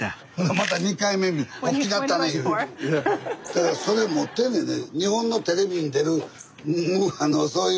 だからそれ持ってんねんね。